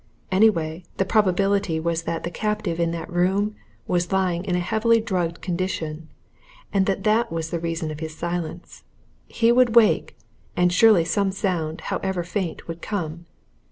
Anyway, the probability was that the captive in that room was lying in a heavily drugged condition, and that that was the reason of his silence. He would wake and surely some sound, however faint, would come.